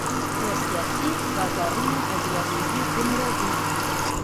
د سیاسي بازارونو ایډیالوژۍ دومره دي.